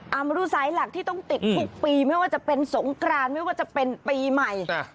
เอามาดูสายหลักที่ต้องติดทุกปีไม่ว่าจะเป็นสงกรานไม่ว่าจะเป็นปีใหม่